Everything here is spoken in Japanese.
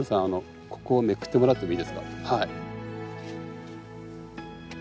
あのここをめくってもらってもいいですか。